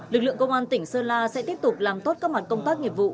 lực lượng công an tỉnh sơn la sẽ tiếp tục làm tốt các mặt công tác nghiệp vụ